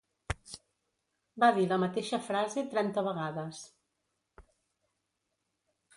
Va dir la mateixa frase trenta vegades.